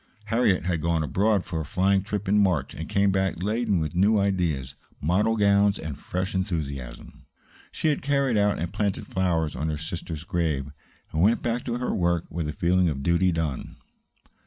Harriet had gone abroad for a flying trip in March and came back laden with new ideas, model gowns, and fresh enthusiasm. She carried out and planted flowers on her sister's grave, and went back to her work with a feeling of duty done.